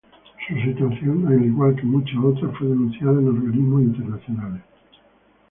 Su situación, al igual que muchas otras, fue denunciada en organismos internacionales.